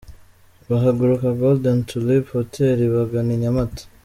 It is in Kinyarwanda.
Bahaguruka Golden Tulip Hotel bagana i Nyamata.